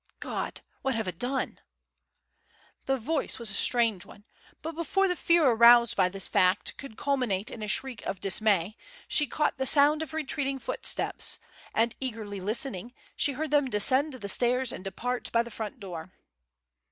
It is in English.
"God! what have I done!" The voice was a strange one, but before the fear aroused by this fact could culminate in a shriek of dismay, she caught the sound of retreating footsteps, and, eagerly listening, she heard them descend the stairs and depart by the front door.